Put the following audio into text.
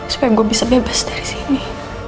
supaya gue bisa bebas dari sini